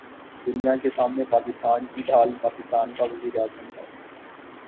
دنیا کے سامنے پاکستان کی ڈھال پاکستان کا وزیراعظم ہے۔